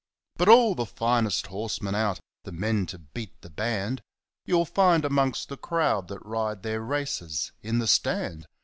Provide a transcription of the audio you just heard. But all the finest horsemen out the men to Beat the Band You'll find amongst the crowd that ride their races in the Stand.